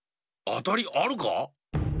あたりあるか？